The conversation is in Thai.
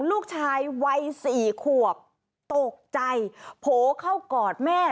ลูกชายวัยสี่ขวบตกใจโผล่เข้ากอดแม่